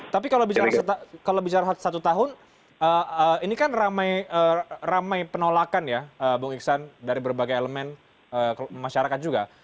tapi kalau bicara satu tahun ini kan ramai penolakan ya bung iksan dari berbagai elemen masyarakat juga